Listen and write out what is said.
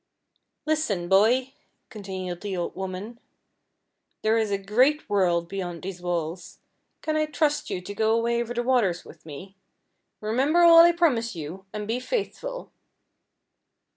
"Listen, boy," continued the old woman. "There is a great world beyond these walls. Can I trust you to go away over the waters with me? Remember all I promise you, and be faithful."